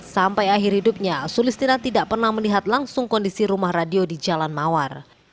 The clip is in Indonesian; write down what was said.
sampai akhir hidupnya sulistina tidak pernah melihat langsung kondisi rumah radio di jalan mawar